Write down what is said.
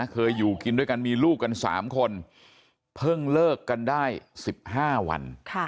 เคยอยู่กินด้วยกันมีลูกกัน๓คนเพิ่งเลิกกันได้๑๕วัน